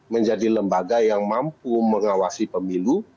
menjadi lembaga yang mampu mengawasi pemilu